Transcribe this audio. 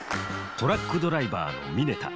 トラックドライバーの峯田。